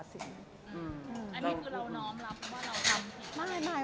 อันนี้คือเราน้อมรับว่าเราทำผิด